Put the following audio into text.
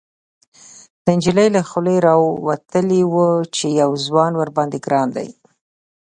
، د نجلۍ له خولې راوتلي و چې يو ځوان ورباندې ګران دی.